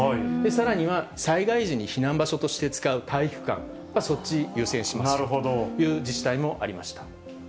さらには、災害時に避難場所として使う体育館、そっち優先しますという自治体もありました。